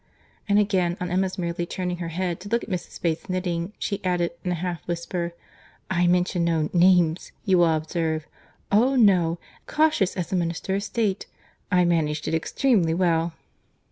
And again, on Emma's merely turning her head to look at Mrs. Bates's knitting, she added, in a half whisper, "I mentioned no names, you will observe.—Oh! no; cautious as a minister of state. I managed it extremely well."